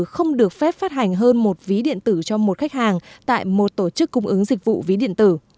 không được phép phát hành hơn một ví điện tử cho một khách hàng tại một tổ chức cung ứng dịch vụ ví điện tử